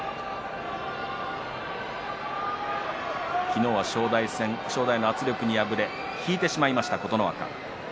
昨日は正代戦、正代の圧力に敗れ引いてしまいました琴ノ若。